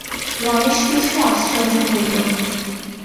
রমেশ কিছু আশ্চর্য হইল।